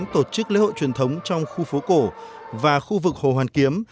hoạt động thuộc đề án tổ chức lễ hội truyền thống trong khu phố cổ và khu vực hồ hoàn kiếm